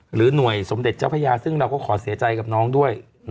หรือหน่วยสมเด็จเจ้าพระยาซึ่งเราก็ขอเสียใจกับน้องด้วย